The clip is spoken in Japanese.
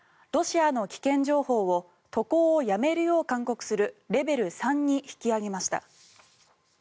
ロシアの危険情報を渡航をやめるよう勧告するレベル３に引き上げました。